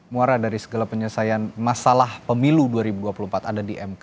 muara dari segala penyelesaian masalah pemilu dua ribu dua puluh empat ada di mk